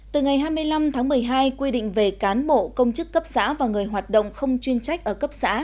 từ ngày hai mươi năm tháng một mươi hai quy định về cán bộ công chức cấp xã và người hoạt động không chuyên trách ở cấp xã